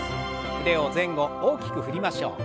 腕を前後大きく振りましょう。